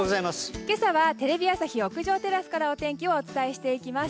今朝はテレビ朝日屋上テラスからお天気をお伝えしていきます。